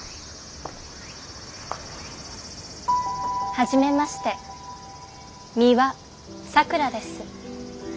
はじめまして美羽さくらです。